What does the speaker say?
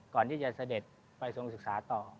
ก่อนที่จะเสด็จไปทรงศึกษาต่อ